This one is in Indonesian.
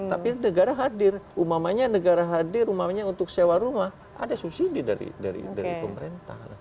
tapi negara hadir umpamanya negara hadir umamanya untuk sewa rumah ada subsidi dari pemerintah